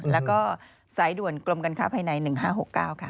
แล้วก็สายด่วนกรมการค้าภายใน๑๕๖๙ค่ะ